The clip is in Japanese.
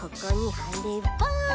はれば。